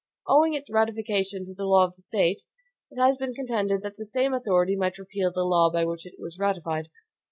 Owing its ratification to the law of a State, it has been contended that the same authority might repeal the law by which it was ratified.